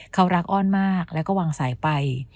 เขารักอ้อนมากแล้วก็วางสายไป